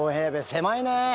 狭いね。